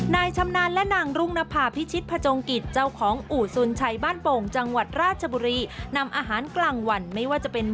นายชำนาญและนางรุงนภาพฤทธิพจงกิจเจ้าของอุศุนย์ชัยบ้านโป่งจังหวัดราชบุรี